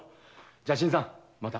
じゃあ新さんまた。